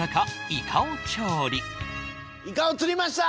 イカを釣りました！